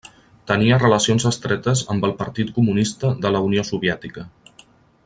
Tenia relacions estretes amb el Partit Comunista de la Unió Soviètica.